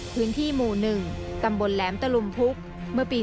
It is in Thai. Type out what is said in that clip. พื้นที่หมู่๑ตำบลแหลมตะลุมพุกเมื่อปี๒๕